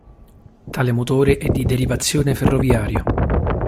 Tale motore è di derivazione ferroviaria.